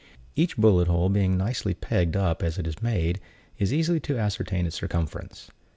Each bullet hole being nicely pegged up as it is made, it is easy to ascertain its circumference.